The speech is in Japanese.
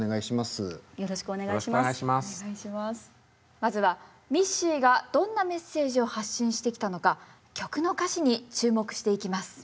まずはミッシーがどんなメッセージを発信してきたのか曲の歌詞に注目していきます。